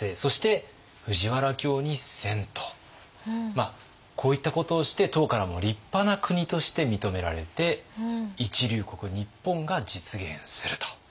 まあこういったことをして唐からも立派な国として認められて一流国日本が実現すると。